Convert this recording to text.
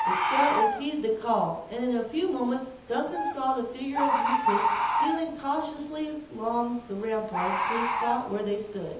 The scout repeated the call, and in a few moments, Duncan saw the figure of Uncas stealing cautiously along the rampart, to the spot where they stood.